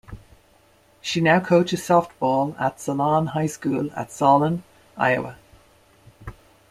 She now coaches softball at Solon High School in Solon, Iowa.